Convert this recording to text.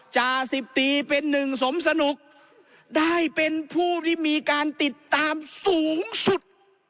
จาสิบตีเป็นหนึ่งสมสนุกได้เป็นผู้ที่มีการติดตามสูงสุด